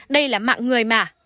đây là mạng người mà